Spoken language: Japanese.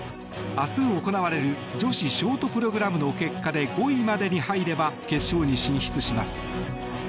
明日行われる女子ショートプログラムの結果で５位までに入れば決勝に進出します。